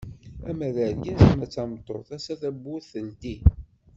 Ama d argaz ama d tameṭṭut, ass-a tawwurt teldi.